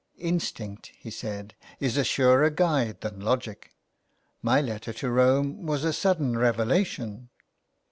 '' Instinct," he said, '* is a surer guide than logic. My letter to Rome was a sudden revelation."